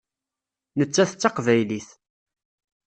Nettat d taqbaylit.